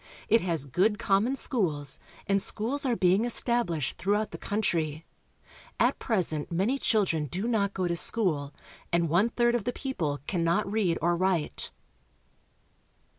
It has good common schools, and schools are being established through out the country. At present many children do not go to school, and one third of the people cannot read or write.